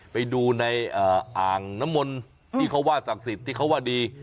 ไปดูในอ่างน้ำมนต์ที่เขาว่าศักดิ์สิทธิ์ที่เขาว่าดี